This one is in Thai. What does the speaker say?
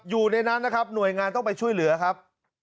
อยู่ในนั้นนะครับหน่วยงานต้องไปช่วยเหลือครับ